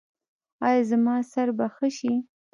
ایا زما سر به ښه شي؟